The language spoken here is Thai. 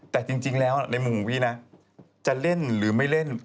แต่จริงแล้วในมุมของพี่นะจะเล่นหรือไม่เล่น